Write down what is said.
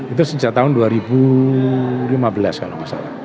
itu sejak tahun dua ribu lima belas kalau nggak salah